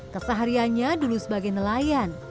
keseharianya dulu sebagai nelayan